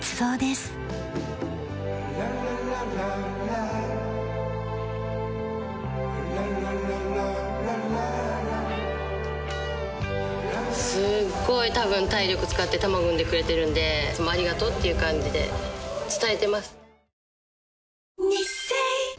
すっごい多分体力を使って卵を産んでくれてるのでいつもありがとうっていう感じで伝えてます。